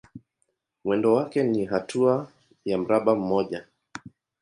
Mwendo wake ni hatua ya mraba mmoja.